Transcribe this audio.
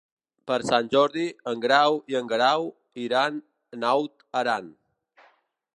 Per Sant Jordi en Grau i en Guerau iran a Naut Aran.